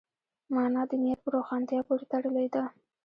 مانا د نیت په روښانتیا پورې تړلې ده.